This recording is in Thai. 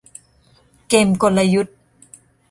เกมกลยุทธ์